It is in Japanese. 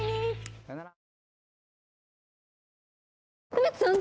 梅津さん！？